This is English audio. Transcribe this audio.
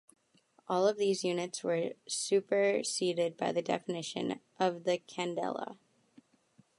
All of these units were superseded by the definition of the candela.